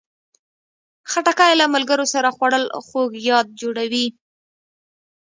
خټکی له ملګرو سره خوړل خوږ یاد جوړوي.